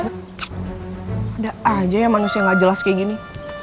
ada aja ya manusia gak jelas kayak gini